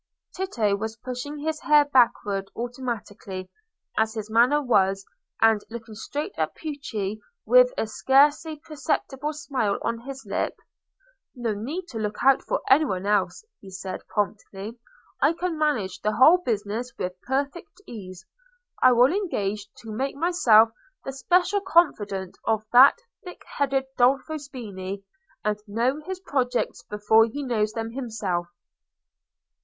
Tito was pushing his hair backward automatically, as his manner was, and looking straight at Pucci with a scarcely perceptible smile on his lip. "No need to look out for any one else," he said, promptly. "I can manage the whole business with perfect ease. I will engage to make myself the special confidant of that thick headed Dolfo Spini, and know his projects before he knows them himself."